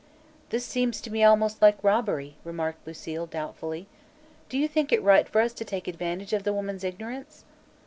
"This seems to me almost like robbery," remarked Lucile, doubtfully. "Do you think it right for us to take advantage of the woman's ignorance?"